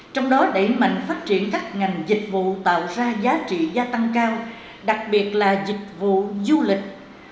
trong đó đẩy mạnh phát triển các ngành dịch vụ tạo ra giá trị gia tăng cao đặc biệt là dịch vụ du lịch